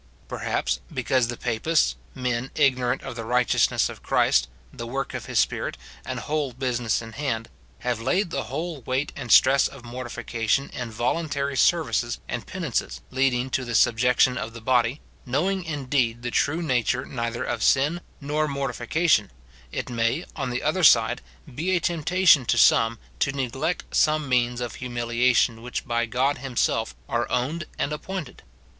Perhaps, because the Papists, men ignorant of the right eousness of Christ, the work of his Spirit, and whole business in hand, have laid the whole weight and stress of mortification in voluntary services and penances, lead ing to the subjection of the body, knowing indeed the true nature neither of sin nor mortification, it may, on the other side, be a temptation to some to neglect some means of humiliation which by God himself are owned and appointed.